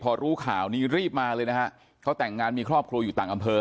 พอรู้ข่าวนี้รีบมาเลยนะฮะเขาแต่งงานมีครอบครัวอยู่ต่างอำเภอ